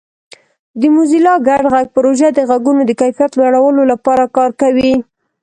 د موزیلا ګډ غږ پروژه د غږونو د کیفیت لوړولو لپاره کار کوي.